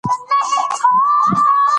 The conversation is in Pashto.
تعلیم تر ټولو لویه پانګه ده.